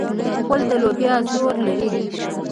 غول د لوبیا زور لري.